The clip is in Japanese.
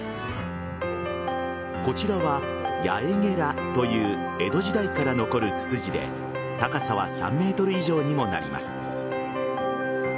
こちらは八重げらという江戸時代から残るツツジで高さは３ｍ以上にもなります。